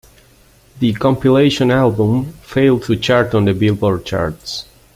The compilation album failed to chart on the Billboard charts.